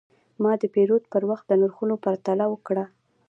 ما د پیرود پر وخت د نرخونو پرتله وکړه.